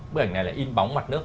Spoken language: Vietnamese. bức ảnh này là in bóng mặt nước